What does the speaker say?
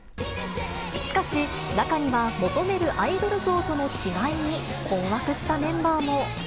しかし、中には求めるアイドル像との違いに困惑したメンバーも。